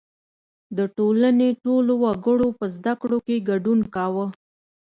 • د ټولنې ټولو وګړو په زدهکړو کې ګډون کاوه.